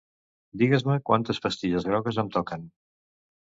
Digues-me quantes pastilles grogues em toquen.